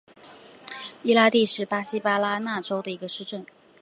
伊拉蒂是巴西巴拉那州的一个市镇。